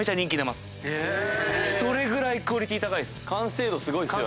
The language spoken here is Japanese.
それぐらいクオリティー高いです。